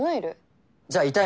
じゃあ痛い